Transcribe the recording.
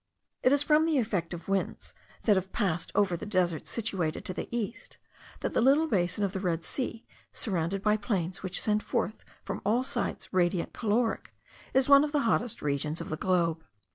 It is from the effect of winds that have passed over the deserts situated to the east, that the little basin of the Red Sea, surrounded by plains which send forth from all sides radiant caloric, is one of the hottest regions of the globe.